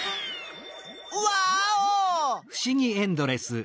ワーオ！